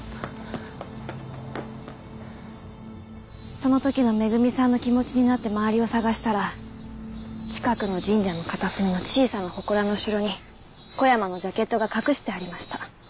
その時のめぐみさんの気持ちになって周りを捜したら近くの神社の片隅の小さなほこらの後ろに小山のジャケットが隠してありました。